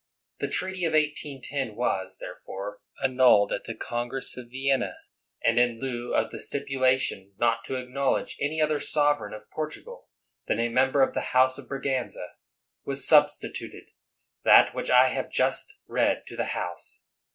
The treaty of 1810 was, therefore, annulled at the Congress of Vienna; and in lieu of the stipula tion not to acknowledge any c'^her sovereign of Portugal than a member of the House of Bra ganza, was substituted that which I have just read to the House.